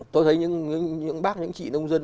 tôi thấy những bác những chị nông dân